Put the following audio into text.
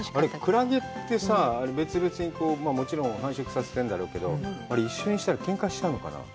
クラゲってさ、別々に、もちろん繁殖させてるんだろうけど、あれ、一緒にしたらけんかしちゃうのかな。